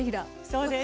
そうです。